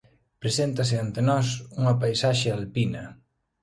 Preséntase ante nós unha paisaxe alpina.